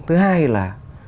thứ hai là